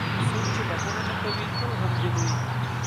• څوک چې بښنه نه کوي، تل غمجن وي.